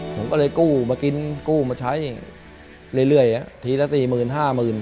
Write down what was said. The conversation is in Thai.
ผมก็เลยกู้มากินกู้มาใช้เรื่อยทีละ๔๐๐๐๐บาท